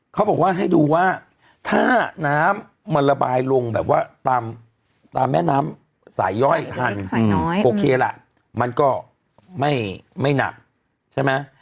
เขาบอกว่าให้ดูว่าถ้าน้ำมันระบายลงแบบว่าตามแม่น้ำสายย่อยทันโอเคล่ะมันก็ไม่หนักใช่ไหม